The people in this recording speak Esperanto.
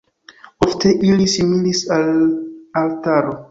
Ofte ili similis al altaro.